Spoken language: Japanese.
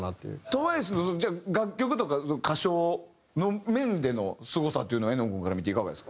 ＴＷＩＣＥの楽曲とか歌唱の面でのすごさというのは絵音君から見ていかがですか？